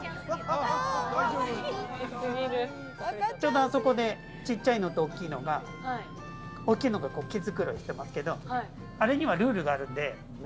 あそこで、ちっちゃいのと大きいのが毛づくろいしてますけど、あれにはルールがあるんで。